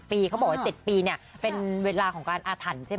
พี่เขาบอกว่า๗ปีเป็นเวลาของการอธันติ์ใช่มั้ย